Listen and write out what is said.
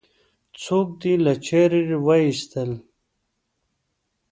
څوک دې له چارې وایستل؟